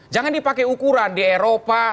jangan dipakai ukuran di eropa